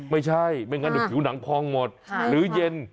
ไม่ใช่ไม่งั้นผิวหนังพองหมดหรือเย็น